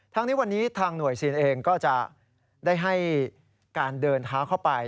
ทั้งนี้วันนี้ทางหน่วยซีนเองก็จะได้ให้การเดินเท้าเข้าไป